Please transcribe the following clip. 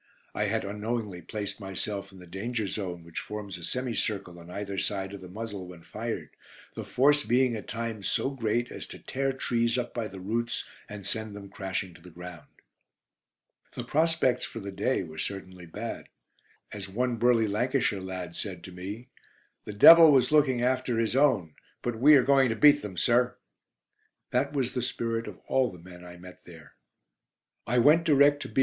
I had unknowingly placed myself in the danger zone which forms a semi circle on either side of the muzzle when fired, the force being at times so great as to tear trees up by the roots and send them crashing to the ground. The prospects for "The Day" were certainly bad. As one burly Lancashire lad said to me: "the Devil was looking after his own; but we are going to beat them, sir." That was the spirit of all the men I met there. I went direct to B.